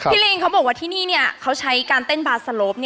ลิงเขาบอกว่าที่นี่เขาใช้การเต้นบาร์สโลป